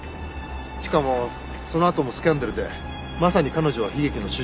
しかもそのあともスキャンダルでまさに彼女は悲劇の主人公です。